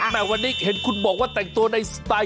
แหมวันนี้เห็นคุณบอกว่าแต่งตัวในสไตล์เกาหลีได้เหรอ